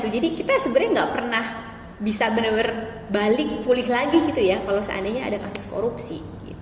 jadi kita sebenarnya tidak pernah bisa benar benar balik pulih lagi kalau seandainya ada kasus korupsi